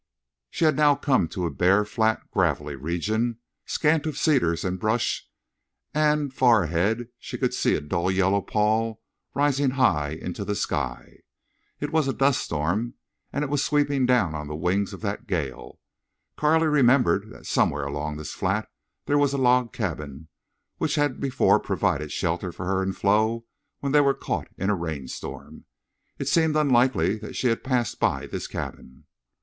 She had now come to a bare, flat, gravelly region, scant of cedars and brush, and far ahead she could see a dull yellow pall rising high into the sky. It was a duststorm and it was sweeping down on the wings of that gale. Carley remembered that somewhere along this flat there was a log cabin which had before provided shelter for her and Flo when they were caught in a rainstorm. It seemed unlikely that she had passed by this cabin.